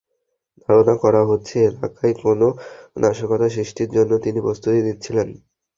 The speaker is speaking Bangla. ধারণা করা হচ্ছে, এলাকায় কোনো নাশকতা সৃষ্টির জন্য তিনি প্রস্তুতি নিচ্ছিলেন।